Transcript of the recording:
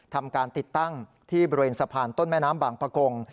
ทำการติดตั้งที่บริเวณสะพานต้นแม่น้ำบางประกง